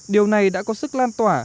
điều này đã có sức lan tỏa